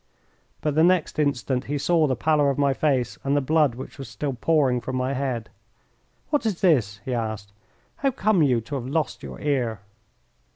But the next instant he saw the pallor of my face and the blood which was still pouring from my head. "What is this?" he asked. "How come you to have lost your ear?"